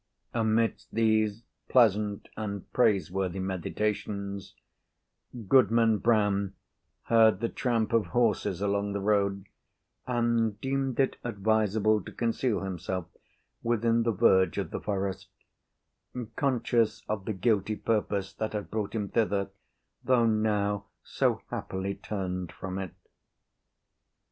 Amidst these pleasant and praiseworthy meditations, Goodman Brown heard the tramp of horses along the road, and deemed it advisable to conceal himself within the verge of the forest, conscious of the guilty purpose that had brought him thither, though now so happily turned from it.